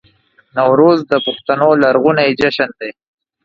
نوروز د پښتنو لرغونی جشن دی